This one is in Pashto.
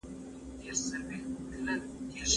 دی یو مېړنی او زحمتکښ پلار دی.